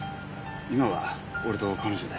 今は俺と彼女で。